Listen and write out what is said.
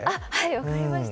分かりました。